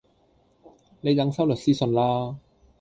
你等收律師信啦